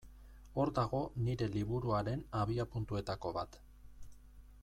Hor dago nire liburuaren abiapuntuetako bat.